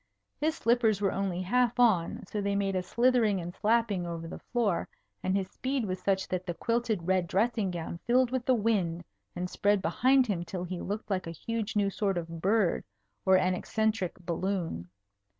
His slippers were only half on, so they made a slithering and slapping over the floor; and his speed was such that the quilted red dressing gown filled with the wind and spread behind him till he looked like a huge new sort of bird or an eccentric balloon.